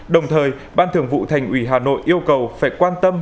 đồng thời ban thường vụ thành ủy hà nội yêu cầu phải quan tâm